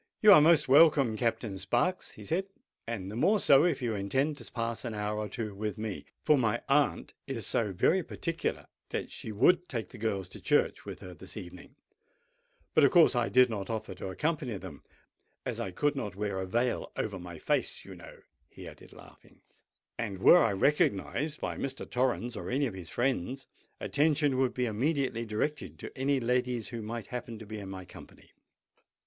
"You are most welcome, Captain Sparks," he said; "and the more so if you intend to pass an hour or two with me; for my aunt is so very particular that she would take the girls to church with her this evening; but of course I did not offer to accompany them, as I could not wear a veil over my face, you know," he added, laughing; "and were I recognised by Mr. Torrens or any of his friends, attention would be immediately directed to any ladies who might happen to be in my company.